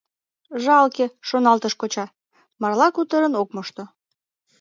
«Жалке, — шоналтыш коча, — марла кутырен ок мошто.